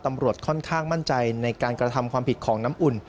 ค่อนข้างมั่นใจในการกระทำความผิดของน้ำอุ่น